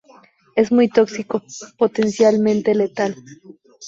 Es muy tóxico, potencialmente letal.